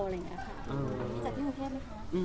จัดที่มือเทพหรือคะ